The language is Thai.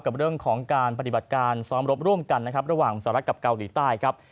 กับเรื่องของการปฏิบัติการซ้อมรบร่วมกันนะครับระหว่างสหรัฐกับเกาหลีใต้ครับ